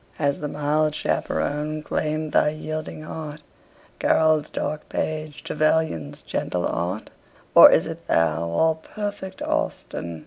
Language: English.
Has the mild chaperon claimed thy yielding heart, Carroll's dark page, Trevelyan's gentle art? Or is it thou, all perfect Austen?